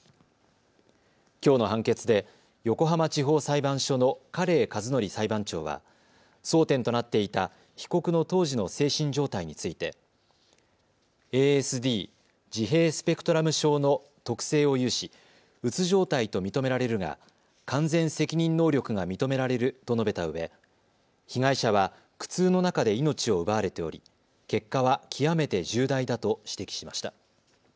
きょうの判決で横浜地方裁判所の家令和典裁判長は争点となっていた被告の当時の精神状態についてＡＳＤ・自閉スペクトラム症の特性を有しうつ状態と認められるが完全責任能力が認められると述べたうえ被害者は苦痛の中で命を奪われており結果は極めて重大だと指摘しました。